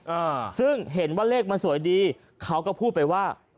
อ่าซึ่งเห็นว่าเลขมันสวยดีเขาก็พูดไปว่า